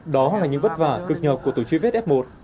đó là những vất vả cực nhọc của tổ chứa vết f một